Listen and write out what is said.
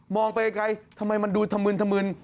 มองไปไกลทำไมมันดูถมืน